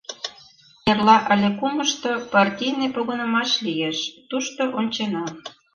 — Эрла але кумышто партийный погынымаш лиеш, тушто ончена...